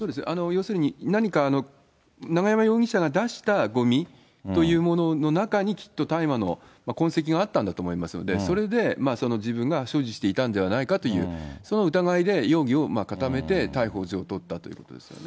要するに、何か、永山容疑者が出したごみというものの中に、きっと大麻の痕跡があったんだと思いますので、それで自分が所持していたんではないかという、その疑いで容疑を固めて逮捕状を取ったということですよね。